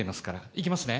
いきますね。